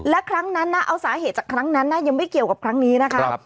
และครั้งนั้นนะเอาสาเหตุจากครั้งนั้นนะยังไม่เกี่ยวกับครั้งนี้นะคะ